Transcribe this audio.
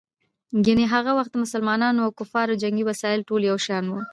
ګیني هغه وخت د مسلمانانو او کفارو جنګي وسایل ټول یو شان وو.